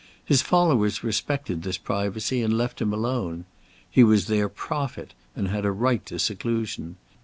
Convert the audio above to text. His followers respected this privacy, and left him alone. He was their prophet, and had a right to seclusion.